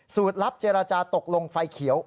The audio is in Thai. ลับเจรจาตกลงไฟเขียว